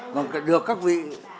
mà được các vị